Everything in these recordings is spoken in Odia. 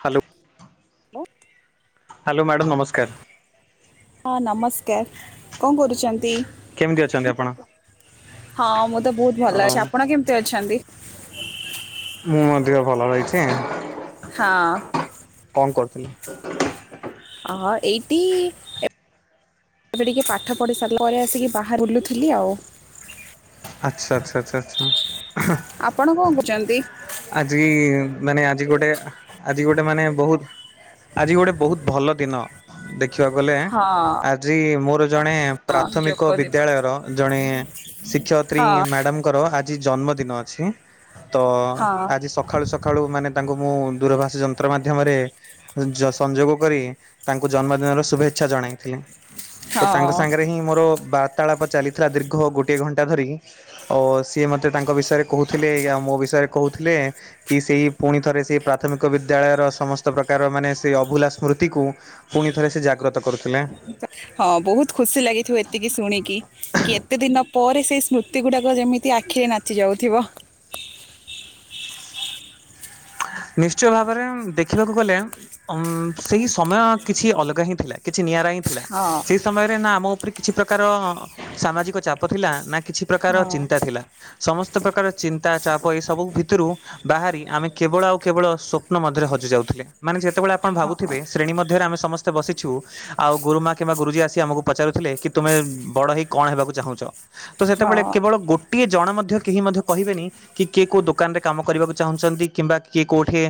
ହାଲୋ ହାଲୋ ମ୍ୟାଡ଼ାମ୍ ନମସ୍କାର। ହଁ ନମସ୍କାର କଁ କରୁଚନ୍ତି? କେମିତି ଅଛନ୍ତି ଆପଣ? ହଁ ମୁଁତ ବହୁତ୍ ଓ ଭଲ ଅଛି ଆପଣ କେମିତି ଅଛନ୍ତି? ମୁଁ ମଧ୍ୟ ଭଲ ରହିଚି। ହଁ। କଣ କରୁଥିଲେ? ଅଁ ଏଇଟି ଏ ଏବେ ଟିକେ ପାଠ ପଢି ସାରିଲା ପରେ ଆସିକି ବାହାରେ ବୁଲୁଥିଲି ଆଉ। ଆଚ୍ଛା ଆଚ୍ଛା ଆଚ୍ଛା ଆଚ୍ଛା। ଆପଣ କଁ କରୁଚନ୍ତି? ଆଜି ମାନେ ଆଜି ଗୋଟେ ଆଜି ଗୋଟେ ମାନେ ବହୁତ୍ ଆଜି ଗୋଟେ ବହୁତ୍ ଭଲ ଦିନ ଦେଖିବାକୁ ଗଲେ ହଁ ଆଜି ମୋର ଜଣେ ହଁ ଯୋଗ ପ୍ରାଥମିକ ଦିବସ ବିଦ୍ୟାଳୟର ଜଣେ ଶିକ୍ଷୟତ୍ରୀ ହଁ ମ୍ୟାଡ଼ାମଙ୍କର ଆଜି ଜନ୍ମଦିନ ଅଛି ହଁ ତଆଜି ସଖାଳୁ ସକା ସଖାଳୁ ମାନେ ତାଙ୍କୁ ମୁଁ ଦୂରଭାଷ ଯନ୍ତ୍ର ମାଧ୍ୟମରେ ଯ ସଂଯୋଗ କରି ତାଙ୍କୁ ଜନ୍ମଦିନର ଶୁଭେଚ୍ଛା ଜଣାଇଥିଲେ ହଁ ତତାଙ୍କ ସାଙ୍ଗରେହିଁ ମୋର ବା ତାଳାପ ଚାଲିଥିଲା ଦୀର୍ଘ ଗୋଟିଏ ଘଣ୍ଟା ଧରି ଓ ସିଏ ମୋତେ ତାଙ୍କ ବିଷୟରେ କହୁଥିଲେ ଆଉ ମୋ ବିଷୟରେ କହୁଥିଲେ କି ସେଇ ପୁଣି ଥରେ ସେଇ ପ୍ରାଥମିକ ବିଦ୍ୟାଳୟର ସମସ୍ତ ପ୍ରକାର ମାନେ ସେ ଅଭୁଲା ସ୍ମୃତିକୁ ପୁଣି ଥରେ ସେଜାଗ୍ରତ କରୁଥିଲେ। ହଁ ବହୁତ୍ ଖୁସି ଲାଗିଥିବ ଏତିକି ଶୁଣିକି କିଏତେ ଦିନ ପରେ ସେଇ ସ୍ମୃତି ଗୁଡ଼ାକ ଯେମିତି ଆ ଖିରେ ନାଚି ଯାଉଥିବ। ନିଶ୍ଚୟ ଭାବରେ ଦେଖିବାକୁ ଗଲେ ଉ ସେଇ ସମୟ କିଛି ଅଲଗାହିଁ ଥିଲା କିଛି ନିଆରା ହିଁ ଥିଲା ହଁ ସେଇ ସମୟରେ ନାଆମ ଉପରେ କିଛି ପ୍ରକାର ସାମାଜିକ ଚାପ ଥିଲା ନା କିଛି ପ୍ରକାର ହଁ ଚିନ୍ତା ଥିଲା। ସମସ୍ତ ପ୍ରକାର ଚିନ୍ତା ଚାପ ଏସବୁ ଭିତରୁ ବାହାରି ଆମେ କେବଳ ଆଉ କେବଳ ସ୍ୱପ୍ନ ମଧ୍ୟରେ ହଜିଯାଉଥିଲେ। ମାନେ ଯେତେବେଳେ ଆପଣ ହଁ ଭାବୁଥିବେ ଶ୍ରେଣୀ ମଧ୍ୟରେ ଆମେ ସମସ୍ତେ ବସିଛୁ ଆଉ ଗୁରୁମା କିମ୍ବା ଗୁରୁଜୀ ଆସି ଆମକୁ ପଚାରୁଥିଲେ କି ତୁମେ ବଡ ହେଇ କଣ ହେବାକୁ ଚାହୁଁଛ? ତ ସେତେବେଳେ ହଁ କେବଳ ଗୋ ଗୋଟିଏ ଜଣ ମଧ୍ୟ କେହି ମଧ୍ୟ କହିବେନି କି କିଏ କେଉଁ ଦୋକାନରେ କାମ କରିବାକୁ ଚାହୁଁଛନ୍ତି କିମ୍ବା କିଏ କେଉଁଠି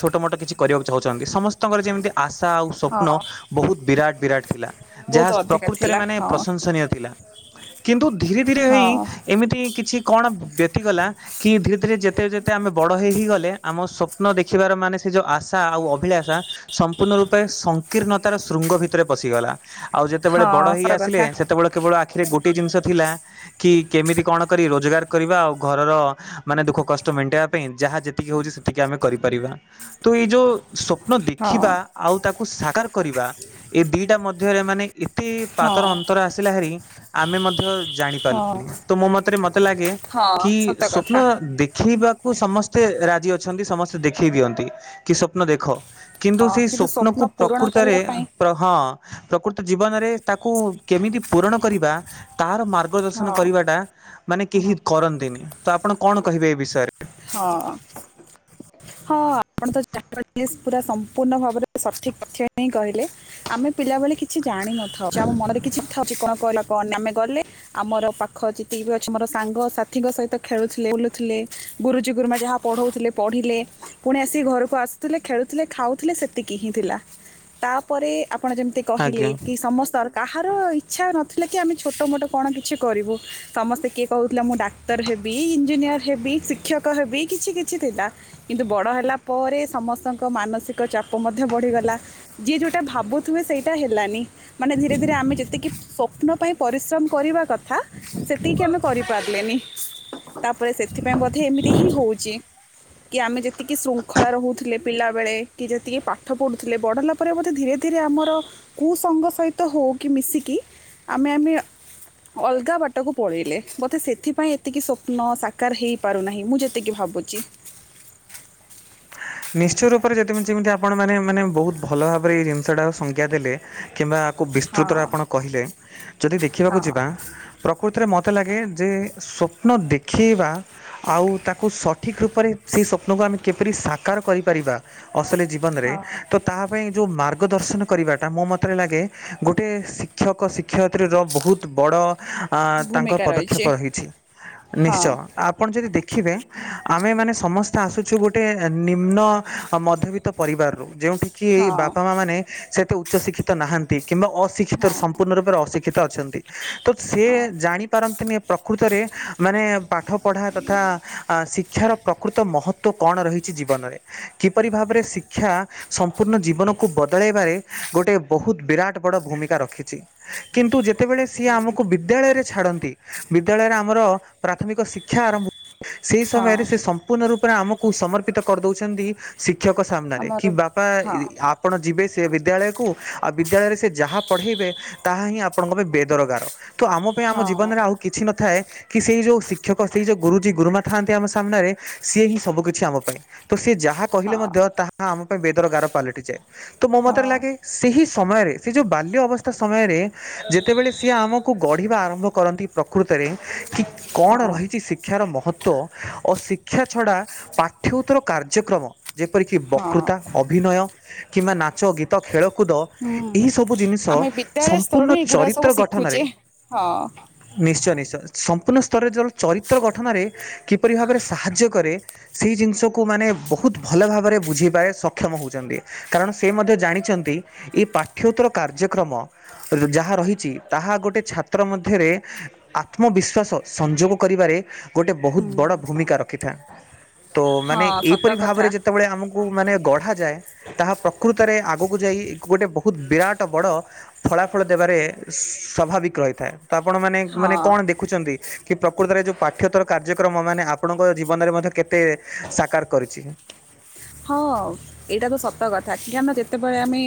ଛୋଟମୋଟ କିଛି କରିବାକୁ ଚାହୁଁଛନ୍ତି ସମସ୍ତଙ୍କର ଯେମିତି ଆଶା ଆଉ ହଁ ସ୍ୱପ୍ନ ବୋହୁତ୍ ବିରାଟ ବିରାଟ ଥିଲା। ବହୁତ ଯାହା ଅଧିକା ପ୍ରକୃତରେ ଥିଲା ମାନେ ହଁ ପ୍ରଶଂସନୀୟ ଥିଲା। କିନ୍ତୁ ଧୀରେ ଧୀରେ ହଁ ହେଇ ଏମିତି କିଛି କଣ ବ୍ୟତିଗଲା କି ଧୀରେ ଧୀରେ, ଯେତେ ଯେତେ ଆମେ ବଡ଼ ହୋଇଇକି ଗଲେ ଆମ ସ୍ୱପ୍ନ ଦେଖିବାର ମାନେ ସେ ଯେଉଁ ଆଶା ଆଉ ଅଭିଳାଷା ସମ୍ପୂର୍ଣ୍ଣ ରୂପେ ସଂକୀର୍ଣ୍ଣତାର ଶୃଙ୍ଗ ଭିତରେ ପଶିଗଲା। ଆଉ ଯେତେବେଳେ ବଡ ହଁ ହେଇ ସତ ଆସିଲେ କଥା। ସେତେବେଳେ କେବଳ ଆଖିରେ ଗୋଟେ ଜିନିଷ ଥିଲା କି କେମିତି କଣ କରି ରୋଜଗାର କରିବା ଆଉ ଘରର ମାନେ ଦୁଃଖ କଷ୍ଟ ମେଣ୍ଟିବା ପାଇଁ ଯାହା ଯେତିକି ହଉଛି ଏତିକି ଆମେ କରିପାରିବା। ତ ଏଇ ଯୋଉ ସ୍ୱପ୍ନ ହଁ ଦେଖିବା ଆଉ ତାକୁ ସାକାର କରିବା ଏ ଦିଟା ମଧ୍ୟରେ ମାନେ ଏତେ ହଁ ପାତର ଅନ୍ତର ଆସିଲା ହେରି ଆମେ ମଧ୍ୟ ଜାଣି ହଁ ତ ମୋ ମତରେ ମତେ ଲାଗେ ହଁ କି ସତ ସ୍ଵପ୍ନ କଥା ଦେଖେଇବା କୁ ସମସ୍ତେ ରାଜି ଅଛନ୍ତି ସମସ୍ତେ ଦେଖେଇ ଦିଅନ୍ତି କି ସ୍ଵପ୍ନ ଦେଖ କିନ୍ତୁ ହଁ ସେଇ ସ୍ୱପ୍ନ ସ୍ୱପ୍ନକୁ ପୂରଣ ପ୍ରକୃତରେ କରିବା ପାଇଁ ପ୍ର ହଁ ପ୍ରକୃତ ଜୀବନରେ ତାକୁ କେମିତି ପୂରଣ କରିବା ତାହାର ମା ମାର୍ଗଦର୍ଶନ ହଁ କରିବାଟା ମାନେ କେହି କରନ୍ତିନି। ତ ଆପଣ କଣ କହିବେ ଏ ବିଷୟରେ? ହଁ। ହଁ ଆପଣ ତ ଯ ପୁରା ସମ୍ପୂର୍ଣ୍ଣ ଭାବରେ ସଠିକ ତଥ୍ୟ ହିଁ କହିଲେ। ଆମେ ପିଲାବେଳେ କିଛି ଜାଣିନଥାଉ। ଯେ ଆମ ମନରେ କିଛି ଥାଉ କଣ କହିଲ କ ଆମେ ଗଲେ ଆମର ପାଖ ଯେତିକି ବି ଅଛି ମୋର ସାଙ୍ଗ ସାଥିୀଙ୍କ ସହିତ ଖେଳୁଥିଲେ ଓଲୁଥିଲେ ଗୁରୁଜୀ ଗୁରୁମା ଯାହା ପଢ଼ଉଥିଲେ ପଢ଼ିଲେ। ପୁଣି ଆସିକି ଘରକୁ ଆସୁଥିଲେ ଖେଳୁଥିଲେ ଖାଉଥିଲେ ସେତିକି ହିଁ ଥିଲା। ତାପରେ ଆପଣ ଯେମିତି କହିଲେ ଆଜ୍ଞା। କି ସମସ୍ତର୍ଥ କାହାର ଇଚ୍ଛା ନଥିଲା କି ଆମେ ଛୋଟମୋଟ କଣ କିଛି କରିବୁ ସମସ୍ତେ କିଏ କହୁଥିଲେ ମୁଁ ଡା ଡାକ୍ତର ହେବି, ଇ୍ଜିନିୟର ହେବି, ଶିକ୍ଷକ ହେବି, କିଛି କିଛି ଥିଲା। କିନ୍ତୁ ବଡ଼ ହେଲା ପରେ ସମସ୍ତଙ୍କ ମାନସିକ ଚାପ ମଧ୍ୟ ବଢିଗଲା। ଯିଏ ଯୋଉଟା ଭାବୁଥିବେ ସେଇଟା ହେଲାନି। ମାନେ ଧୀରେ ଧୀରେ ଆମେ ଯେତିକି ସ୍ଵପ୍ନ ପାଇଁ ପରିଶ୍ରମ କରିବା କଥା ଥା ସେତିକି ଆମେ କରିପାରିଲେନି। ତାପରେ ସେଥିପାଇଁ ବ ସେମିତି ହିଁ ହଉଛି। କି ଆମେ ଯେତିକି ଶୃଙ୍ଖଳା ରହୁଥିଲେ ପିଲା ବେଳେ, କି ଯେତିକି ପାଠ ପଢୁଥିଲେ ବଡ ହେଲା ପରେ ବୋଧେ ଧୀରେ ଧୀରେ ଆମର କୁ ସଙ୍ଗ ସହିତ ହଉ କିି ମିଶିକି ଆମେ ଆମେ ଅଲଗା ବାଟକୁ ପଳେଇଲେ ମତେ ସେଥିପାଇଁ ଏତିକି ସ୍ଵପ୍ନ ସାକାର ହେଇ ପାରୁନାହିଁ ମୁଁ ଯେତିକି ଭାବୁଛି। ନିଶ୍ଚୟ ରୂପରେ ଯଦି ମୁଁ ଯେମିତି ଆପଣ ମାନେ ମାନେ ବହୁତ ଭଲ ଭାବରେ ଏଇ ଜିନିଷଟା ସଂଜ୍ଞା ଦେଲେ କିମ୍ବା ଖୁବ୍ ବେସ୍ତତାରେ ହଁ ଆପଣ କହିଲେ ଯଦି ଦେଖିବାକୁ ହଁ ଯିବା ପ୍ରକୃତିରେ ମୋତେ ଲାଗେ ଯେ ସ୍ୱପ୍ନ ଦେଖେଇବା ଆଉ ତାକୁ ସ ଠିକ୍ ରୂପରେ ସେହି ସ୍ୱପ୍ନକୁ ଆମେ କିପରି ସାକାର କରିପାରିବା ଅସଲି ଜୀବନରେ ହଁ ତ ତା ପାଇଁ ଯୋଉ ମାର୍ଗ ଦର୍ଶନ କରିବାଟା ମୋ ମତରେ ଲାଗେ ଗୋଟେ ଶିକ୍ଷକ ଶି କ୍ଷୟତ୍ରୀର ବୋହୁତ୍ ବଡ଼ ଆଁ ତାଙ୍କ ଭୂମିକା ରହିଛି ପଦକ୍ଷେପ ରହିଚି, ହଁ ନିଶ୍ଚୟ। ଆପଣ ଯଦି ଦେଖିବେ ଆମେ ମାନେ ସମସ୍ତେ ଆସୁଛୁ ଗୋଟେ ତା ନିମ୍ନ ମଧ୍ୟବିତ୍ତ ପରିବାରରୁ ଯେଉଁଠିକି ଏଇ ହଁ ବାପା ମାଆ ମାନେ ସେତେ ଉଚ୍ଚ ଶିକ୍ଷିତ ନାହାନ୍ତି କିମ୍ବା ଅଶିକ୍ଷିତ ହଁ ସମ୍ପୂର୍ଣ୍ଣ ରୂପରେ ଅଶିକ୍ଷିତ ଅଛନ୍ତି। ତ ସେ ହଁ ଜାଣିପାରନ୍ତିନି ପ୍ରକୃତରେ ମାନେ ପାଠ ପଢ଼ା ତଥା ଆଁ ଶିକ୍ଷାର ପ୍ରକୃତ ମହତ୍ଵ କଣ ରହିଛି ଜୀବନରେ? କିପରି ଭାବରେ ଶିକ୍ଷା ସମ୍ପୂର୍ଣ୍ଣ ଜୀବନକୁ ବଦଳେଇବାରେ ଗୋଟେ ବହୁତ ବିରାଟ ବଡ ଭୂମିକା ରଖିଛି। କିନ୍ତୁ ଯେ ଯେତେବେଳେ ସିଏ ଆମକୁ ବିଦ୍ୟାଳୟରେ ଛାଡନ୍ତି ବିଦ୍ୟାଳୟରେ ଆମର ପ୍ରାଥମିକ ଶିକ୍ଷା ଆରମ୍ଭ ସେଇ ହଁ ସମୟରେ ସେ ସମ୍ପୂର୍ଣ୍ଣ ରୂପରେ ଆମକୁ ସମର୍ପିତ କରିଦଉଛନ୍ଦି। ଶିକ୍ଷକ ସାମ୍ନାରେ କି ଆମର ବାପା ଇ ହଁ ଆ ଆପଣ ଯିବେ ସେ ବିଦ୍ୟାଳୟକୁ ଆଉ ବିଦ୍ୟାଳୟରେ ସେ ଯାହା ପଢେଇବେ ତାହା ହିଁ ଆପଣଙ୍କ ପାଇଁ ବେଦର ଗାର। ତ ଆମ ପାଇଁ ଆମ ହଁ ଜୀବନରେ ଆଉ କିଛି ନଥାଏ। କି ସେଇ ଯୋଉ ଶିକ୍ଷକ ସେଇ ଯୋଉ ଗୁରୁଜି ଗୁରୁମା ଥାନ୍ତି ଆମ ସାମ୍ନାରେ ସିଏ ହିଁ ସବୁ କିଛି ଆମ ପାଇଁ। ତ ସିଏ ଯାହା କହିଲେ ହଁ ମଧ୍ୟ ତାହା ଆମ ପାଇଁ ବେଦର ଗାର ପାଲଟିଯାଏ ତ ମୋ ମତରେ ହଁ ଲାଗେ। ସେହି ସମୟରେ ସେ ଯୋଉ ବାଲ୍ୟ ଅବସ୍ଥା ସମୟରେ ଯେତେବେଳେ ସିଏ ଆମକୁ ଗଢିବା ଆରମ୍ଭ କରନ୍ତି ପ୍ରକୃତରେ କି କଣ ରହିଛି ଶି କ୍ଷାର ମହତ୍ଵ ଓ ଶିକ୍ଷା ଛଡା ପାଠ୍ୟଉତ୍ତର କାର୍ଯ୍ୟକ୍ରମ। ଯେପରିକି ହଁ ହଁ ବକୃତା ଅଭିନୟ କିମ୍ବା ନାଚ ଗୀତ ଖେଳକୁଦ ହୁଁ। ଏହି ସବୁ ଜିନିଷ ଆମେ ବିଦ୍ୟାଳୟ ସମ୍ପୂର୍ଣ୍ଣ ସ୍ତରରୁ ଏଗୁଡା ଚରିତ୍ର ସବୁ ଗଠନରେ ଶିଖୁଛେ ହଁ। ନିଶ୍ଚୟ ନିଶ୍ଚୟ ସମ୍ପୂର୍ଣ୍ଣ ସ୍ତରରେ ଜରୁର ଚରିତ୍ର ଗଠନାରେ କିପରି ଭାବରେ ସାହାଯ୍ୟ କରେ? ସେହି ଜିନିଷକୁ ମାନେ ବହୁତ ଭଲ ଭାବରେ ବୁଝିବାରେ ସକ୍ଷମ ହଉଛନ୍ତି। କାରଣ ସେ ମଧ୍ୟ ଜାଣିଛନ୍ତି ଏଇ ପାଠ୍ୟଉତ୍ତର କାର୍ଯ୍ୟକ୍ରମ ରୁ ଯାହା ରହିଛି ତାହା ଗୋଟଏ ଛାତ୍ର ମଧ୍ୟରେ ଆତ୍ମବିଶ୍ୱାସ ସଂଯୋଗ କରିବାରେ ଗୋଟେ ବହୁତ ବଡ଼ ହୁଁ। ଭୂମିକା ରଖିଥା ତୋ ମାନେ ହଁ ସତ ଏଇପରି କଥା ଭାବରେ ଯେତେବେଳେ ଆମକୁ ମାନେ ଗଢାଯାଏ। ତାହା ପ୍ରକୃତରେ ଆଗକୁ ଯାଇ ଗୋଟେ ବହୁତ ବିରାଟ ବଡ ଫଳାଫଳ ଦେବାରେ ସ୍ୱଭାବିକ ରହିଥାଏ ତ ଆପଣ ମାନେ ମାନେ ହଁ। କଣ ଦେ ଖୁଛନ୍ତି କି ପ୍ରକୃତରେ ଯୋଉ ପାଠ୍ୟତ୍ତର କାର୍ଯ୍ୟକ୍ରମ ମାନେ ଆପଣଙ୍କ ଜୀବନରେ ମଧ୍ୟ କେ ତେ ସାକାର କରିଛି। ହଁ ଏଇଟା ତ ସତ କଥା କି ଆମେ ଯେତେବେଳେ ଆମେ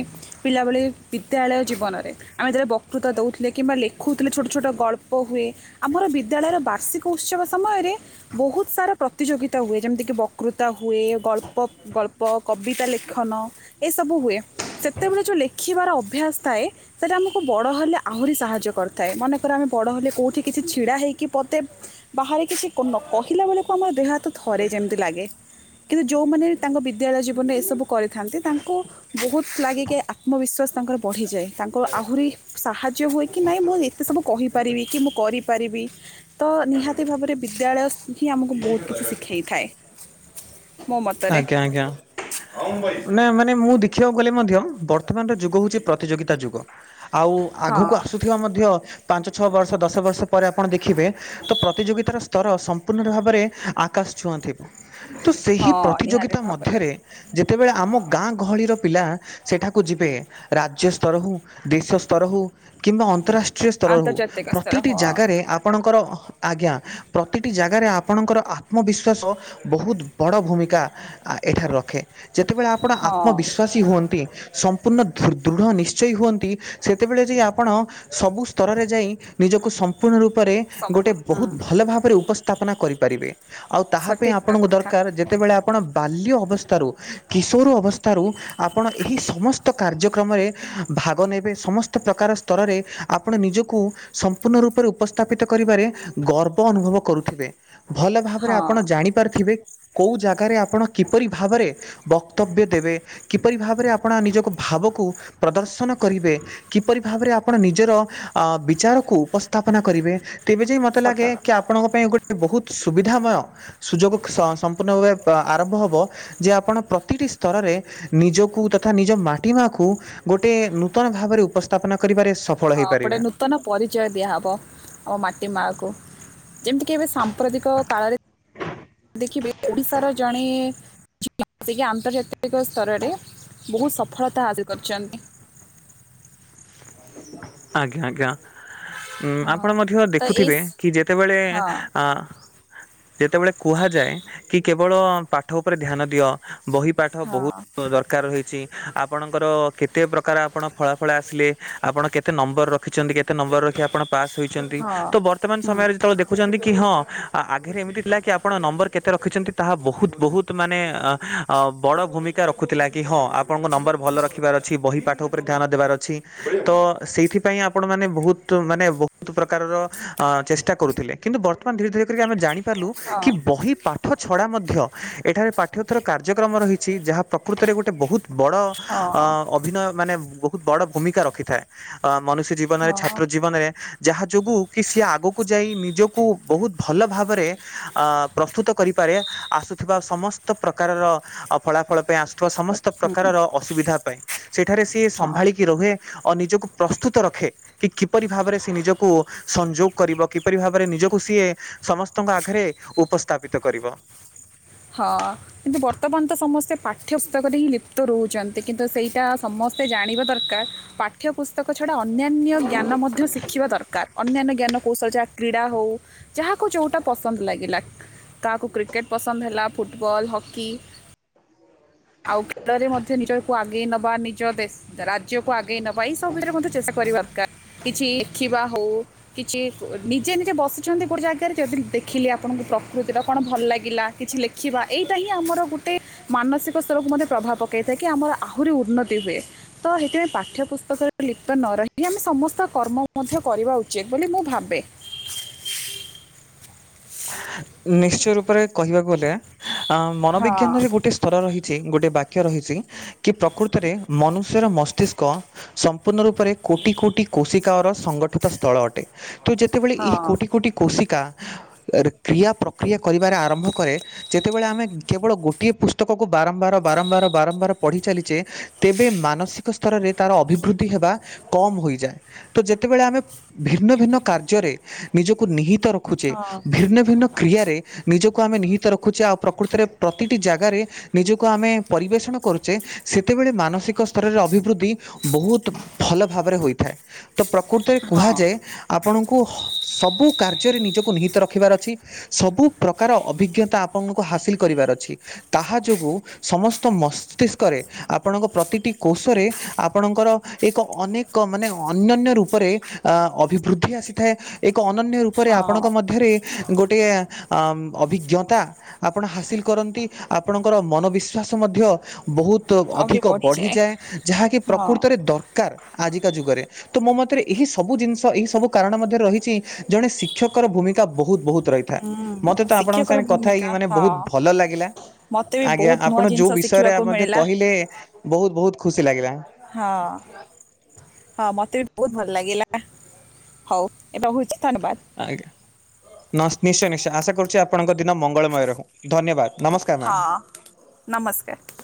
ପିଲା ଭଳି ବିଦ୍ୟାଳୟ ଜୀବନରେ ଆମେ ଯେବେ ବକୃତା ଦଉଥିଲେ କିମ୍ବା ଲେଖୁଥିଲେ ଛୋଟ ଛୋଟ ଗଳ୍ପ ହୁଏ। ଆମର ବିଦ୍ୟାଳୟର ବାର୍ଷିକ ଉତ୍ସବ ସମୟରେ ବହୁତ ସାରା ପ୍ରତିଯୋଗିତା ହୁଏ ଯେମିତି କିି ବକୃତା ହୁଏ ଗଳ ପ ଗଳ୍ପ କବିତା ଲେଖନ ଏସବୁ ହୁଏ। ସେତେବେଳେ ଯୋଉ ଲେଖିବାର ଅଭ୍ୟାସ ସ୍ଥାଏ। ସେଇଟା ଆମକୁ ବଡ ହେଲେ ଆହୁରି ସାହାଯ୍ୟ କରିଥାଏ ମନେକର ଆମେ ବଡ ହେଲେ କୋଉଠି କିଛି ଛିଡା ହେଇକି ପଦେ ବାହାରେ କିଛି କୋ ନ କହିଲା ବେଳକୁ ଆମର ଦେହ ହାତ ଥରେ ଯେମିତି ଲାଗେ। ଯୋଉମାନେ ତାଙ୍କ ବିଦ୍ୟାଳୟ ଜୀବନେ ଏସବୁ କରିଥାନ୍ତି ତାଙ୍କୁ ବହୁତ ଲାଗେ କି ଆତ୍ମବିଶ୍ୱାସ ତାଙ୍କର ବଢ଼ିଯାଏ। ତାଙ୍କ ଆହୁରି ସାହାଯ୍ୟ ହୁଏ କି ନାହିଁ ମୁଁ ଏତେ ସବୁ କହିପାରିବି କି ମୁଁ କରି ପାରିବି ତ ନିହାତି ଭାବରେ ବିଦ୍ୟାଳୟ ହିଁ ଆମକୁ ବହୁତ କିଛି ଶିଖେଇଥାଏ। ମୋମତ ଆଜ୍ଞା ଆଜ୍ଞା। ନା ମାନେ ମୁଁ ଦେଖିବାକୁ ଗଲେ ମଧ୍ୟ ବର୍ତ୍ତମାନର ଯୁଗ ହଉଛି ପ୍ରତିଯୋଗିତା ଯୁଗ। ଆଉ ହଁ ଆଗକୁ ଆସୁଥିବା ମଧ୍ୟ ପାଞ୍ଚ ଛଅ ବର୍ଷ ଦଶ ବର୍ଷ ପରେ ଆପଣ ଦେଖିବେ ତ ପ୍ରତିଯୋଗିତାର ସ୍ତର ସମ୍ପୂର୍ଣ୍ଣ ଭାବରେ ଆକାଶ ଛୁଆଁଥିବ। କିନ୍ତୁ ସେହି ହଁ ନିହାତି ପ୍ରତିଯୋଗିତା ଭାବରେ ମଧ୍ୟରେ ଯେତେବେଳେ ଆମ ଗାଁ ଗହଳିର ପିଲା ସେଠାକୁ ଯିବେ ରାଜ୍ୟ ସ୍ରର ହଉ ଦେଶସ୍ତର ହଉ କିମ୍ବା ଅନ୍ତରାଷ୍ ରା ସ୍ତରରୁ ଆନ୍ତର୍ଜାତିକ ସ୍ତର ପ୍ରତିଟି ହଁ ଜାଗାରେ ଆପଣଙ୍କର ଆଜ୍ଞା ପ୍ରତିଟି ଜାଗାରେ ଆପଣଙ୍କର ଆତ୍ମବିଶ୍ଵାସ ବହୁତ ବଡ ଭୂମି କା ଏଠାରେ ରଖେ ଯେତେବେଳେ ଆପଣ ହଁ ଆତ୍ମବିଶ୍ୱାସୀ ହୁଅନ୍ତି ସମ୍ପୂର୍ଣ୍ଣ ଦୃଢ ନିଶ୍ଚୟୀ ହୁଅନ୍ତି ସେତେବେଳେ ଯେ ଆପଣ ସବୁ ସ୍ତରରେ ଯାଇ ନିଜକୁ ସମ୍ପୂର୍ଣ୍ଣ ରୂ ପରେ ଗୋଟେ ସମ୍ପୂର୍ଣ୍ଣ ହଁ ବହୁତ ଭଲ ଭାବରେ ଉପସ୍ଥାପନା କରିପାରିବେ। ଆଉ ତାହା ପାଇଁ ସଠିକ୍ ଆପଣଙ୍କୁ କଥା ଦରକାର ଯେତେବେଳେ ଆପ ଆପଣ ବାଲ୍ୟ ଅବସ୍ଥାରୁ କିଶୋର ଅବସ୍ଥାରୁ ଆପଣ ଏହି ସମସ୍ତ କାର୍ଯ୍ୟକ୍ରମରେ ଭାଗ ନେବେ ସମସ୍ତ ପ୍ରକାର ସ୍ତରରେ ଆପଣ ନିଜକୁ ସମ୍ପୂର୍ଣ୍ଣ ରୂପରେ ଉପସ୍ଥାପିତ କରିବାରେ ଗର୍ବ ଅନୁଭବ କରୁଥିବେ। ଭଲ ଭାବରେ ହଁ ଆପଣ ଜାଣିପାରିଥିବେ କୋଉ ଜାଗାରେ ଆପଣ କିପରି ଭାବରେ ବକ୍ତବ୍ୟ ଦେବେ କିପରି ଭାବରେ ଆପଣ ନିଜକୁ ଭାବକୁ ପ୍ରଦର୍ଶନ କରିବେ କିପରି ଭାବରେ ଆପଣ ନିଜର ବିଚାରକୁ ଉପସ୍ଥାପନା କରିବେ। ତେବେ ଯାଇ ମୋତେ ସତ ଲାଗେ କି କଥା ଆପଣଙ୍କ ପାଇଁ ଗୋଟେ ବହୁତ ସୁବିଧାମୟ ସୁଯୋଗ ସମ୍ପୂର୍ଣ୍ଣ ଭାବେ ତ ଆରମ୍ଭ ହେବ ଯେ ଆପଣ ପ୍ରତିଟି ସ୍ତରରେ ନିଜକୁ ତଥା ନିଜ ମାଟି ମାକୁ ଗୋଟେ ନୂତନ ଭାବରେ ଉପସ୍ ସ୍ଥାପନ କରିବାରେ ସଫଳ ହଁ ଗୋଟେ ହେଇପାରିବା। ନୂତନ ପରିଚୟ ଦିଆହେବ ଆମ ମାଟି ମାଆକୁ। ଏମତି କେବେ ସାମ୍ପ୍ରତିକ କାଳରେ ଦେଖିବେ ଓଡିଶାର ଜଣେ ଟିକେ ଆନ୍ତର୍ଜାତିକ ସ୍ତରରେ ବହୁତ ସଫଳତା ଆସ କରିଛନ୍ତି। ଆଜ୍ଞା ଆଜ୍ଞା। ଉଁ ଆପଣ ହଁ ମଧ୍ୟ ତ ଏଇ ଦେଖୁଥିବେ କି ଯେତେବେଳେ ହଁ ଅ ଯେତେବେଳେ କୁହାଯାଏ କି କେବଳ ପାଠ ଉପରେ ଧ୍ୟାନ ଦିଅ ବହି ପା ଠ ହଁ ବହୁତ ଦର ଦରକାର ରହିଛି ଆପଣଙ୍କର କେତେ ପ୍ରକାର ଆପଣ ଫଳାଫଳ ଆସିଲେ ଆପଣ କେତ କେତେ ନମ୍ବର ରଖିଛନ୍ତି କେତେ ନମ୍ବର ରଖି ଆପଣ ପାସ୍ ହୋଇଛନ୍ତି ହଁ। ତ ବର୍ତ୍ତମାନ ହୁଁ ସମୟରେ ଯେତେବେଳେ ଦେଖ ଖୁଛନ୍ତି କି ହଁ ଆଗେରେ ଏମିତି ଥିଲା କି ଆପଣ ନମ୍ବର କେତେ ରଖିଛନ୍ତି ତାହା ବହୁତ ବହୁତ ତ ମାନେ ବଡ ଭୂମିକା ରଖୁଥିଲା କି ହଁ ଆପଣଙ୍କ ନମ୍ବର ଭଲ ରଖିବାର ଅଛି ବହି ପାଠ ଉପରେ ଧ୍ୟାନ ଦେବାର ଅଛି ତ ସେଇଥିପାଇଁ ଆପଣମାନେ ବହୁତ ମାନେ ବହୁତ ପ୍ରକାରର ଚେଷ୍ଟା କରୁଥିଲେ। କିନ୍ତୁ ବର୍ତ୍ତମାନ ଧୀରେ ଧୀରେ କରିକି ଆମେ ଜାଣିପାରିଲୁ ହଁ କି ବହି ପା ପାଠ ଛଡ଼ା ମଧ୍ୟ ଏଠାରେ ପାଠ୍ୟଥର କାର୍ଯ୍ୟକ୍ରମ ରହିଛି ଯାହା ପ୍ରକୃତରେ ଗୋଟେ ବହୁତ ବଡ ଅ ଅଭିନୟ ମାନେ ବହୁତ ବଡ ଭୂମିକା ରଖିଥାଏ ଅ ମନୁଷ୍ୟ ଜୀବ ଜୀବନରେ ହଁ ଛାତ୍ର ଜୀବନରେ ଯାହା ଯୋଗୁଁ କି ସିଏ ଆଗକୁ ଯାଇ ନିଜକୁ ବହୁତ ଭଲ ଭାବରେ ଆ ପ୍ରସ୍ତୁତକରିପାରେ ଆସୁଥିବା ସମସ୍ତ ପ୍ରକାରର ଫଳାଫଳ ପାଇଁ ଆସୁ ଥିବା ସମସ୍ତ ହଁ ପ୍ରକାରର ଅସୁବିଧା ପାଇଁ ସେଠାରେ ସିଏ ହଁ। ସମ୍ଭାଳିକି ରୁହେ ଆଉ ନିଜକୁ ପ୍ରସ୍ତୁତ ରଖେ। କି କିପରି ଭାବରେ ସେ ନିଜକୁ ସଂଯୋଗ କରିବ କିପରି ଭାବରେ ନିଜକୁ ସିଏ ସମସ୍ତଙ୍କ ଆଗରେ ଉପସ୍ଥାପିତ କରିବ। ହଁ କିନ୍ତୁ ବର୍ତ୍ତମାନ ତ ସମସ୍ତେ ପାଠ୍ୟପୁସ୍ତକରେ ହିଁ ଲିପ୍ତ ରହୁଛନ୍ତି କିନ୍ତୁ ସେଇଟା ସମ ମୋତେ ଜାଣିବା ଦରକାର ପାଠ୍ୟପୁସ୍ତକ ଛଡ଼ା ଅନ୍ୟାନ୍ୟ ଜ୍ଞାନ ମଧ୍ୟ ଶିଖିବା ଦରକାର। ଅନ୍ୟାନ୍ୟ ଜ୍ଞାନକୌଶଳ ଯାହା କ୍ରୀଡ଼ା ହେଉ ଯାହାକୁ ଯେଉଁଟା ପସନ୍ଦ ଲାଗିଲା। କାହାକୁ କ୍ରିକେଟ ପସ ହେଲା ଫୁଟବଲ, ହକି ଆଉ ଖେଳରେ ମଧ୍ୟ ନିଜ ଆଗେଇ ନବା ନିଜ ଦେ ରାଜ୍ୟକୁ ଆଗେଇ ନବା ଏଇ ସବୁ ବିଷୟରେ ମଧ୍ୟ ଚେଷ୍ଟା କରିବା ଦରକାର। କିଛି [unintelligible] ହଉ। କିଛି ନିଜେ ନିଜେ ବସିଛନ୍ତି ଗୋଟେ ଜାଗାରେ ଯଦି ଦେଖିଲି ଆପଣଙ୍କୁ ପ୍ରକୃତିର କଣ ଭଲ ଲାଗିଲା। କିଛି ଲେଖିବା ଏଇଟା ହିଁ ଆମର ଗୋଟେ ମାନସିକ ସ୍ତରକୁ ମଧ୍ୟ ପ୍ରଭାବ ପକେଇଥାଏ କି ଆମର ଆହୁରି ଉନ୍ନତି ହୁଏ। ତ ସେଥିପାଇଁ ପାଠ୍ୟ ପୁସ୍ତକରେ ଲିପ୍ତ ନ ରହି ଆମେ ସମସ୍ତ କର୍ମ ମଧ୍ୟ କରିବା ଉଚିତ ବୋଲି ମୁଁ ଭାବେ। ନିଶ୍ଚୟ ରୂପରେ କହିବାକୁ ଗଲେ ଅ ହଁ ମନୋବିଜ୍ଞାନରେ ଗୋଟେ ସ୍ତର ରହିଛି ଗୋଟିଏ ବାକ୍ୟ ରହିଛି କି ପ୍ରକୃତରେ ମନୁଷ୍ୟର ମସ୍ତିଷ୍କ ସମ୍ପୂର୍ଣ୍ଣ ରୂପରେ କୋଟି କୋଟି କୋଶିକାଓର ସଂଗଠିତ ସ୍ଥଳ ଅଟେ। ତ ଯେତେବେଳେ ଏହି ହଁ କୋଟି କୋଟି କୋଶିକା ରେ କ୍ରିୟା ପ୍ରକ୍ରିୟା କରିବାରେ ଆରମ୍ଭ କରେ। ଯେତେବେଳେ ଆମେ କେବଳ ଗୋଟିଏ ପୁସ୍ତକକୁ ବାରମ୍ବାର ବାରମ୍ବାର ବାରମ୍ବାର ପଢ଼ି ଚାଲିଛେ ତେବେ ମାନସିକ ସ୍ତରରେ ତାର ଅଭିବୃଦ୍ଧି ହେବା କମ ହୋଇଯାଏ। ତ ଯେତେବେଳେ ଆମେ ଭିନ୍ନ ଭିନ୍ନ କାର୍ଯ୍ୟରେ ନିଜକୁ ନିହିତ ରଖୁଛେ ହଁ ଭିନ୍ନ ଭି ବିଭିନ୍ନ କ୍ରିୟାରେ ନିଜକୁ ଆମେ ନିହିତ ରଖୁଛେ ଆଉ ପ୍ରକୃତିରେ ପ୍ରତିଟି ଜାଗାରେ ନିଜକୁ ଆମେ ପରିବେଷଣ କରୁଛେ ସେତେବେଳେ ମାନସିକ ସ୍ତରରେ ଅଭିବୃଦ୍ଧି ବହୁତ ଭଲ ଭାବରେ ହୋଇଥାଏ ତ ପ୍ରକୃତରେ ହଁ କୁହାଯାଏ ଆପଣଙ୍କୁ ସବୁ କାର୍ଯ୍ୟରେ ନିଜକୁ ନିହିତ ରଖିବାର ଅଛି। ସବୁ ପ୍ରକାର ଅଭିଜ୍ଞତା ଆପଣଙ୍କୁ ହାସିଲ କରିବାର ଅଛି। ତାହା ଯୋଗୁଁ ସମସ୍ତ ମସ୍ତିଷ୍କରେ ଆପଣଙ୍କ ପ୍ରତିଟି କୋଷରେ ଆପଣଙ୍କର ଏକ ଅନେକ ମାନେ ଅନ୍ୟନ୍ୟ ରୂପରେ ଅ ଅଭିବୃଦ୍ଧି ଆସିଥାଏ। ଏକ ଅନନ୍ୟ ରୂପରେ ଆପଣଙ୍କ ହଁ ମଧ୍ୟରେ ଗୋଟିଏ ଅଭିଜ୍ଞତା ଆପଣ ହାସିଲ କରନ୍ତି ଆପଣଙ୍କର ମନ ବିଶ୍ୱାସ ମଧ୍ୟ ବହୁତ ଅଧିକ ବଢ଼ିଯାଏ ଯାହାକି ହଁ ପ୍ରକୃତରେ ଦରକାର ଆଜିକା ଯୁଗରେ। ତ ମୋ ମତରେ ଏହି ସବୁ ଜିନିଷ ଏହି ସବୁ କାରଣ ମଧ୍ୟରେ ରହିଛି ଜଣେ ଶିକ୍ଷକର ଭୂମିକା ବହୁତ ବହୁତ ରହିଥାଏ ହୁଁ ମତେ ତ ଆପଣଙ୍କ ଶିକ୍ଷକର ସାଙ୍ଗେ କଥା ହେଇକି ଭୂମିକା ମାନେ ହଁ ବହୁତ ଭଲ ଲାଗିଲା। ମତେ ବି ଆଜ୍ଞା ବହୁତ ଆପଣ ନୂଆ ଯୋଉ ଜିନିଷ ବିଷୟରେ ଶିଖିବାକୁ ମଧ୍ୟ ମିଳିଲା। କହିଲେ ବହୁତ ବହୁତ ଖୁସି ଲାଗିଲା। ହଁ। ହଁ ମତେ ବି ବହୁତ ଭଲ ଲାଗିଲା ହଉ ହଉଛି ଧନ୍ୟବାଦ। ଆଜ୍ଞା ନିଶ୍ଚୟ ନିଶ୍ଚୟ ଆଶା କରୁଛି ଆପଣଙ୍କ ଦିନ ମଙ୍ଗଳମୟ ରହୁ। ଧନ୍ୟବାଦ ନମସ୍କାର ମ୍ୟାମ୍। ହଁ ନମସ୍କାର।